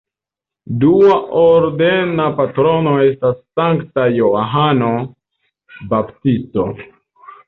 Dua ordena patrono estas Sankta Johano Baptisto.